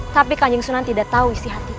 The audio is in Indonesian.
tapi kan jengsunan tidak tahu isi hatiku